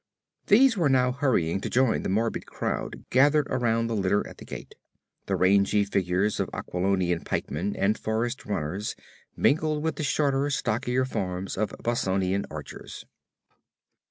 These were now hurrying to join the morbid crowd gathered about the litter at the gate. The rangy figures of Aquilonian pikemen and forest runners mingled with the shorter, stockier forms of Bossonian archers.